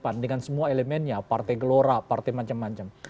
pan dengan semua elemennya partai gelora partai macam macam